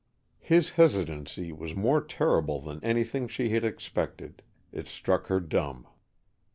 His hesitancy was more terrible than anything she had expected. It struck her dumb.